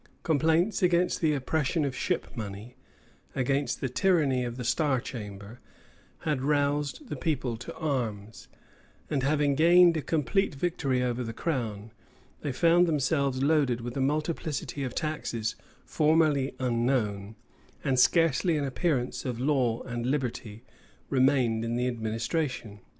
Complaints against the oppression of ship money, against the tyranny of the star chamber, had roused the people to arms: and having gained a complete victory over the crown, they found themselves loaded with a multiplicity of taxes, formerly unknown; and scarcely an appearance of law and liberty remained in the administration.